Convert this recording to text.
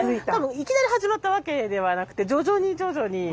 いきなり始まったわけではなくて徐々に徐々に。